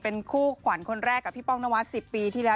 เป็นคู่ขวัญคนแรกกับพี่ป้องนวัด๑๐ปีที่แล้ว